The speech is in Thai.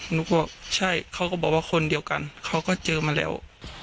หนูก็บอกใช่เขาก็บอกว่าคนเดียวกันเขาก็เจอมาแล้ว